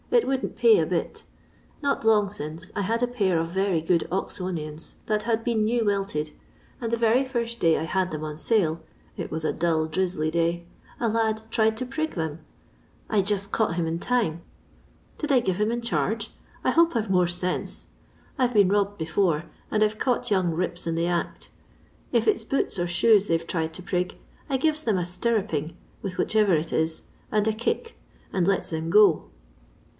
It wouldn't pay a bit Not long since I had a pair of very good Oxonians that had been new welted, and the very first day I had them on sale — it was a dull drizxly day — a lad tried to prig them. I just caught him in time. LONDON LABOUR AND THE LONDON POOR. 48 Did I giye him in charge ? I hope I 've more sense. I 've been robbed before, and I 'to caught young rips in the act If it *8 boots or shoes they 've tried to prig, I gives them a stimiping with which erer it is, and a kick, and lets them go."